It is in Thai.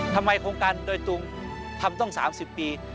ทำไมโครงการด้อยตุงทำต้อง๓๐ปี